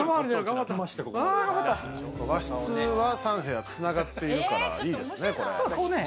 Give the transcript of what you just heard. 和室は３室、繋がっているからいいですねこれ。